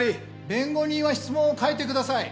弁護人は質問を変えてください。